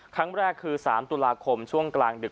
ครั้งแรกคือ๓ตุลาคมช่วงกลางดึก